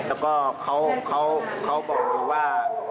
แล้วก็เขาเขาบอกดูว่า